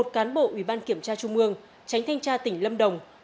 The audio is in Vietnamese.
một cán bộ ủy ban kiểm tra trung ương tránh thanh tra tỉnh lâm đồng